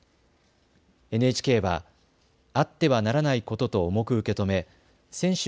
ＮＨＫはあってはならないことと重く受け止め選手